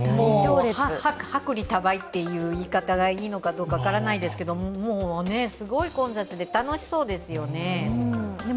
薄利多売という言い方がいいのかどうか分からないですけれども、もうすごい混雑で、楽しそうですよね。